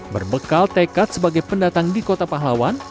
berbekal tekad sebagai pendatang di kota pahlawan